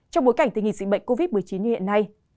trong bối cảnh tình hình dịch bệnh covid một mươi chín như hiện nay